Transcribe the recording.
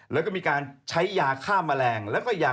แล้วก็มีการใช้ยาฆ่าแมลง